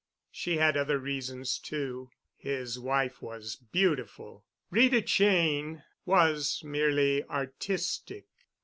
She had other reasons, too. His wife was beautiful. Rita Cheyne was merely artistic.